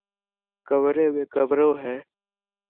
ڪمري ۾ ڪمرو هي.